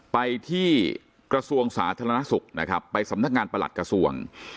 ไปที่กระทรวงสาธารณสุขนะครับไปสำนักงานประหลัดกระทรวง